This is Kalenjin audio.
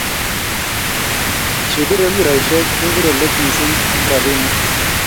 chebire kuraishek kepiree leet missing eng robinik